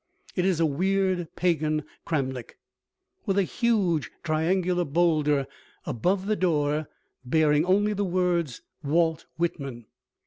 It is a weird pagan cromlech, with a huge triangular boulder above the door bearing only the words WALT WHITMAN.